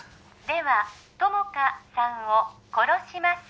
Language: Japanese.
では友果さんを殺します